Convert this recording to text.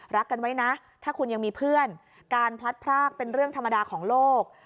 รักกันไว้นะถ้าคุณยังมีเพื่อนการพลัดพรากเป็นเรื่องธรรมดาของโลก